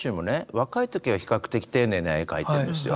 若い時は比較的丁寧な絵描いてるんですよ。